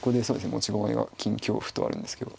持ち駒が金香歩とあるんですけど。